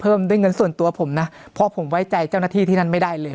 ด้วยเงินส่วนตัวผมนะเพราะผมไว้ใจเจ้าหน้าที่ที่นั่นไม่ได้เลย